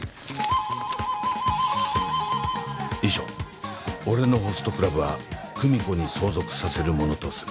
「遺書俺のホストクラブは久美子に相続させるものとする」